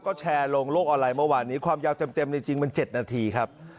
ก็แชร์ลงโลกออนไลน์เมื่อวานนี้ความยาวเต็มในจริงมัน๗นาทีครับ